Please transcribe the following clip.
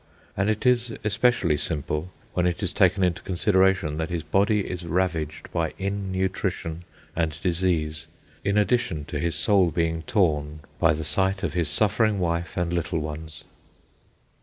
And it is especially simple when it is taken into consideration that his body is ravaged by innutrition and disease, in addition to his soul being torn by the sight of his suffering wife and little ones.